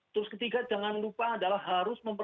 terus ketiga jangan lupa adalah harus memperbaiki